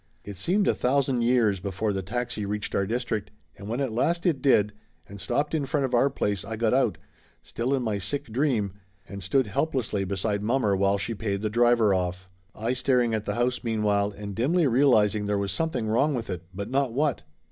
It seemed a thousand years before the taxi reached our district and when at last it did and stopped in front of our place I got out, still in my sick dream, and stood helplessly beside mommer while she paid the driver off, I staring at the house meanwhile and dimly realizing there was something wrong with it, but not what.